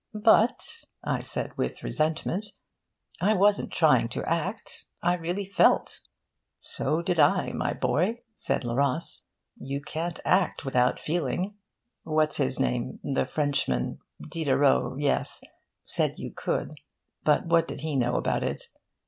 'But,' I said with resentment, 'I wasn't trying to act. I really felt.' 'So did I, my boy,' said Le Ros. 'You can't act without feeling. What's his name, the Frenchman Diderot, yes said you could; but what did he know about it?